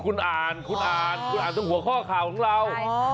คุณอ่านคุณอ่านคุณอ่านตรงหัวข้อข่าวของเรา